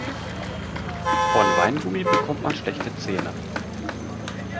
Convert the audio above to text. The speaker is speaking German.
Von Weingummi bekommt man schlechte Zähne.